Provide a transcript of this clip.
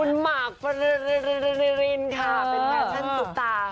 คุณมากเป็นแฟชั่นซุปตา